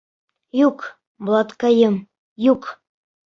Юҡ, Булатҡайым, юҡ!